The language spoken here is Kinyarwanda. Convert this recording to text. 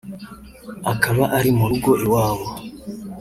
akaba ari mu rugo iwabo